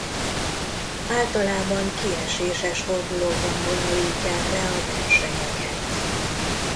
Általában kieséses fordulókban bonyolítják le a versenyeket.